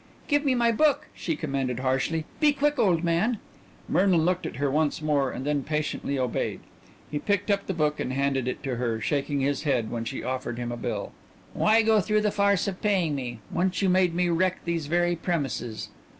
"Give me my book," she commanded harshly. "Be quick, old man!" Merlin looked at her once more and then patiently obeyed. He picked up the book and handed it to her, shaking his head when she offered him a bill. "Why go through the farce of paying me? Once you made me wreck these very premises."